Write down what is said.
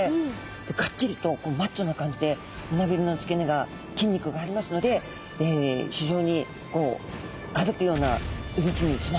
ガッチリとこうマッチョな感じで胸びれの付け根が筋肉がありますので非常に歩くような